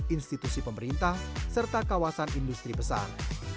institusi pemerintah serta kawasan industri besar